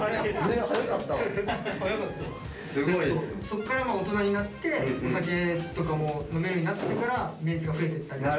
そこからもう大人になってお酒とかも飲めるようになってからメンツが増えてったりとか。